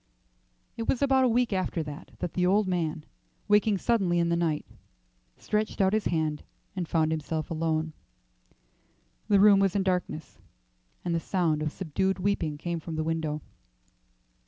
It was about a week after that the old man, waking suddenly in the night, stretched out his hand and found himself alone. The room was in darkness, and the sound of subdued weeping came from the window.